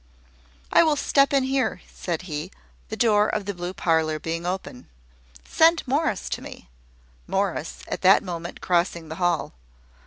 "I will step in here," said he, the door of the blue parlour being open. "Send Morris to me," Morris at that moment crossing the hall.